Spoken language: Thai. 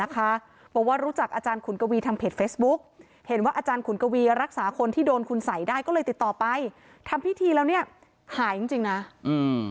ก็เลยติดต่อไปทำพิธีแล้วเนี่ยหายจริงจริงน่ะอืม